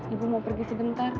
ibu mau pergi sebentar